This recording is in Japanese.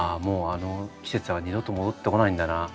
もうあの季節は二度と戻ってこないんだな。